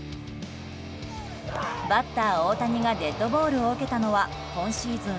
バッター大谷がデッドボールを受けたのは今シーズン